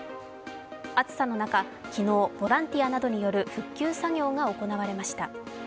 暑さの中、昨日、ボランティアなどによる復旧作業が行われました。